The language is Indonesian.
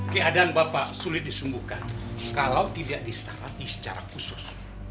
keadaan bapak sulit disembuhkan kalau tidak disetarati secara khusus